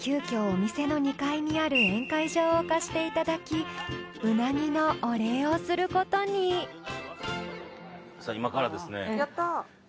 お店の２階にある宴会場を貸していただきうなぎのお礼をすることに今から。やった。